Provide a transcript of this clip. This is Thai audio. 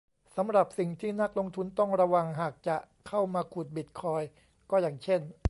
สำหรับสิ่งที่นักลงทุนต้องระวังหากจะเข้ามาขุดบิตคอยน์ก็อย่างเช่น